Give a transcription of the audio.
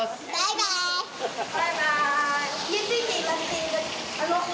バイバイ。